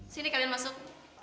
sini kalian masuk